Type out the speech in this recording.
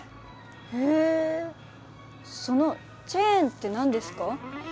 へえそのチェーンって何ですか？